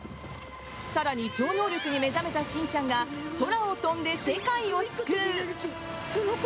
更に超能力に目覚めたしんちゃんが空を飛んで世界を救う！